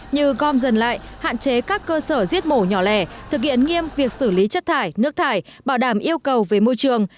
như gom dần lại hạn chế các cơ sở giết mổ nhỏ lẻ thực hiện nghiêm việc xử lý chất thải nước thải bảo đảm yêu cầu về môi trường